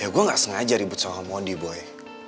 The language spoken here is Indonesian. ya ya gue nggak sengaja ribut sama mondi boy